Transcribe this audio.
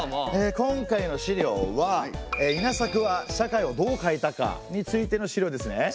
今回の資料は「稲作は社会をどう変えたか？」についての資料ですね。